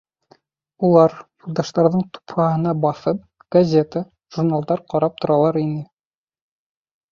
Улар, Юлдаштарҙың тупһаһына баҫып, газета, журналдар ҡарап торалар ине.